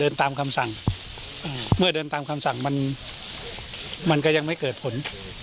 ตามคำสั่งเมื่อเดินตามคำสั่งมันมันก็ยังไม่เกิดผล